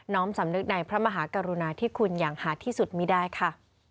สำนึกในพระมหากรุณาที่คุณอย่างหาที่สุดมีได้ค่ะ